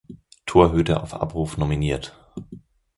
Torhüter auf Abruf nominiert.